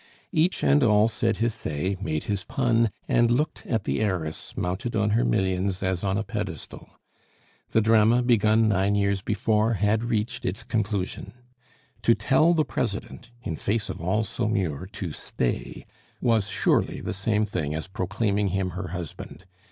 Each and all said his say, made his pun, and looked at the heiress mounted on her millions as on a pedestal. The drama begun nine years before had reached its conclusion. To tell the president, in face of all Saumur, to "stay," was surely the same thing as proclaiming him her husband.